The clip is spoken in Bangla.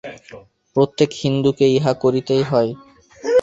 প্রত্যেক হিন্দুকে ইহা করিতেই হয়।